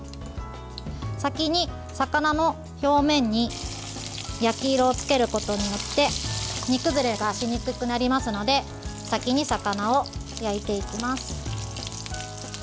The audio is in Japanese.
先に魚の表面に焼き色をつけることによって煮崩れがしにくくなりますので先に魚を焼いていきます。